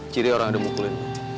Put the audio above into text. ciri orang yang udah mukulin lo